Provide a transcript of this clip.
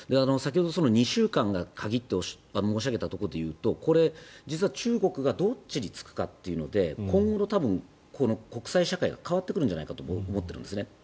先ほど、２週間が鍵と申し上げたところでいうと実は、中国がどっちにつくかというので今後、多分、国際社会は変わってくるんじゃないかと思うんですね。